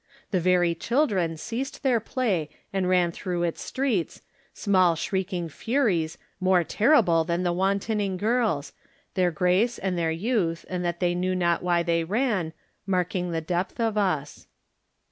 The very children ceased their play and ran through its streets, small shrieking furies, more terrible than the wantoning girls, their grace and their youth, and that they knew not why they ran, marking the depth of us.